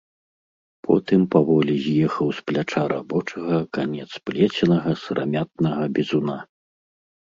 Потым паволі з'ехаў з пляча рабочага канец плеценага сырамятнага бізуна.